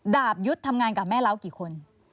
ดาบยุทธ์ทำงานกับแม่เล้ากี่คน